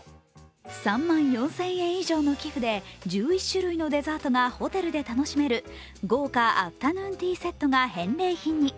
３万４０００円以上の寄付で１１種類のデザートがホテルで楽しめる、豪華アフタヌーンティーセットが返礼品に。